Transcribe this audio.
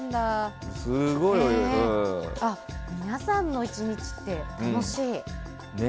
皆さんの１日って楽しい。